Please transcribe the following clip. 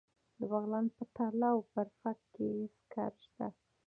د بغلان په تاله او برفک کې سکاره شته.